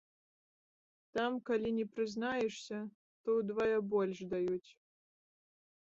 Там калі не прызнаешся, то ўдвая больш даюць.